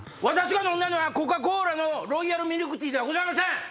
私が飲んだのはコカ・コーラのロイヤルミルクティーではございません。